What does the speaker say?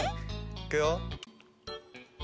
いくよ。